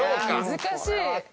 難しい！